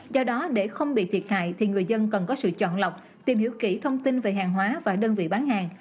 do đó để không bị thiệt hại thì người dân cần có sự chọn lọc tìm hiểu kỹ thông tin về hàng hóa và đơn vị bán hàng